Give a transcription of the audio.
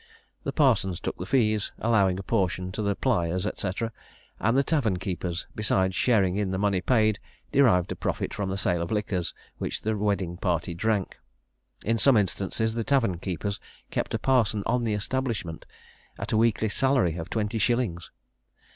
The parsons took the fees, allowing a portion to the plyers, &c. and the tavern keepers, besides sharing in the money paid, derived a profit from the sale of liquors which the wedding party drank. In some instances, the tavern keepers kept a parson on the establishment, at a weekly salary of twenty shillings!